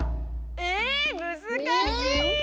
えっむずかしい！